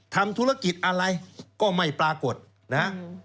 ทำธุรกิจอะไรก็ไม่ปรากฏนะฮะ